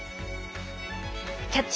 「キャッチ！